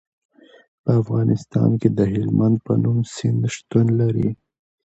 په افغانستان کې د هلمند په نوم سیند شتون لري.